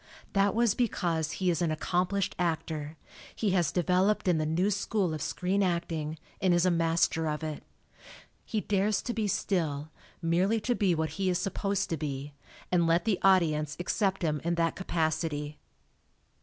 That was because he is an accomplished actor he has developed in the new school of screen acting, and is a master of it. He dares to be still, merely to be what he is supposed to be, and let the audience accept him in that capacity.